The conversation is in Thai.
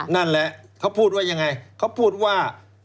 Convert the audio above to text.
นั่นแหละเขาพูดว่ายังไงเขาพูดว่า